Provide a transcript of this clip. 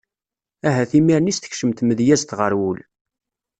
Ahat imir-nni i s-tekcem tmedyazt ɣer wul.